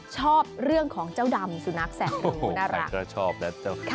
ชอบเรื่องของเจ้าดำสุนัขแสบูน่ารักก็ชอบนะเจ้า